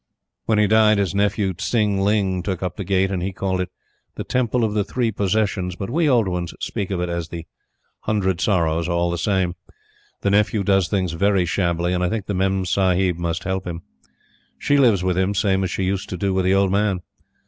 When he died, his nephew Tsin ling took up the Gate, and he called it the "Temple of the Three Possessions;" but we old ones speak of it as the "Hundred Sorrows," all the same. The nephew does things very shabbily, and I think the Memsahib must help him. She lives with him; same as she used to do with the old man.